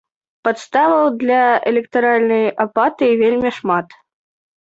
Падставаў для электаральнай апатыі вельмі шмат.